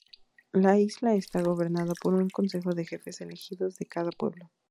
La isla está gobernada por un consejo de jefes elegidos de cada pueblo.